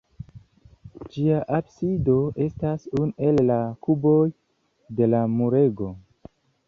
Ĝia absido estas unu el la kuboj de la murego.